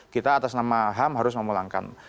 kita atas nama ham harus memulangkan